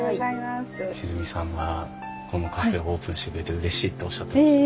千純さんがこのカフェをオープンしてくれてうれしいっておっしゃってましたよ。